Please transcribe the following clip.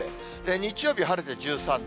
日曜日、晴れて１３度。